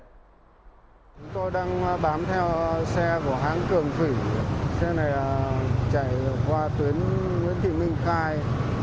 chúng tôi đang bám theo xe của hãng cường phỉ xe này chạy qua tuyến nguyễn thị minh khai